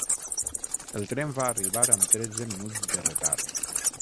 El tren va arribar amb tretze minuts de retard.